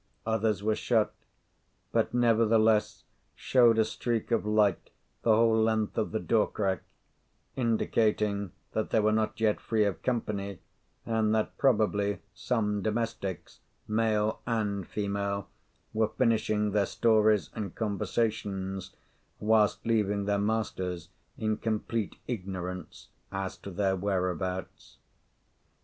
Others were shut, but, nevertheless, showed a streak of light the whole length of the door crack, indicating that they were not yet free of company, and that probably some domestics, male and female, were finishing their stories and conversations whilst leaving their masters in complete ignorance as to their whereabouts.